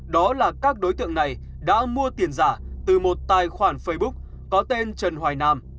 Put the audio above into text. đó là các đối tượng này đã mua tiền giả từ một tài khoản facebook có tên trần hoài nam